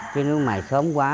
chứ nếu mài sớm quá